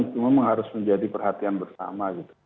ini yang memang harus menjadi perhatian bersama